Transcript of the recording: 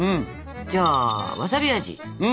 じゃあわさび味。